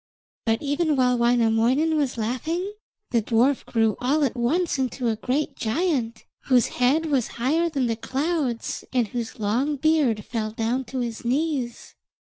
But even while Wainamoinen was laughing, the dwarf grew all at once into a great giant, whose head was higher than the clouds, and whose long beard fell down to his knees.